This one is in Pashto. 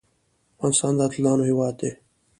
افغانستان د اتلانو هیواد دی